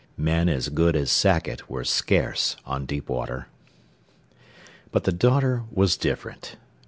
Men as good as Sackett were scarce on deep water. But the daughter was different.